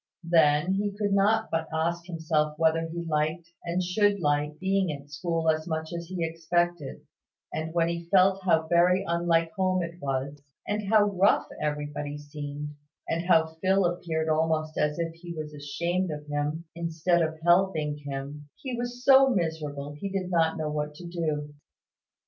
Then, he could not but ask himself whether he liked, and should like, being at school as much as he expected; and when he felt how very unlike home it was, and how rough everybody seemed, and how Phil appeared almost as if he was ashamed of him, instead of helping him, he was so miserable he did not know what to do.